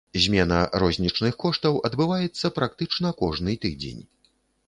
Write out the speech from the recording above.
Змена рознічных коштаў адбываецца практычна кожны тыдзень.